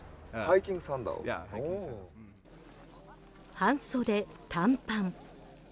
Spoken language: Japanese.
半袖短パン。